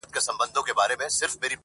قصابان یې د لېوه له زامو ژغوري٫